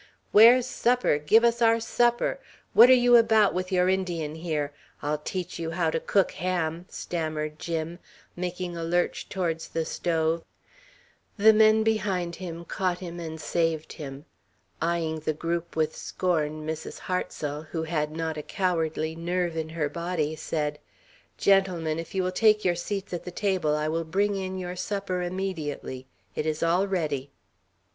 "Where's supper! Give us our supper! What are you about with your Indian here? I'll teach you how to cook ham!" stammered Jim, making a lurch towards the stove. The men behind caught him and saved him. Eyeing the group with scorn, Mrs. Hartsel, who had not a cowardly nerve in her body, said: "Gentlemen, if you will take your seats at the table, I will bring in your supper immediately. It is all ready."